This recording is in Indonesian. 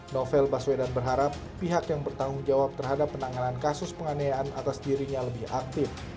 novel baswedan berharap pihak yang bertanggung jawab terhadap penanganan kasus penganiayaan atas dirinya lebih aktif